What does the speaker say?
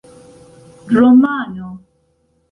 romano